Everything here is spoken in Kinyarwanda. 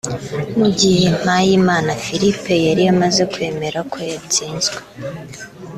Mu gihe Mpayimana Philippe yari amaze kwemera ko yatsinzwe